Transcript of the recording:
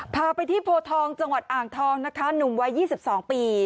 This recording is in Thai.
พาไปที่โพทองจังหวัดอ่างทองนะคะหนุ่มวัย๒๒ปี